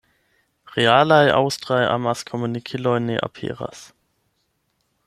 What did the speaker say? Realaj aŭstraj amaskomunikiloj ne aperas.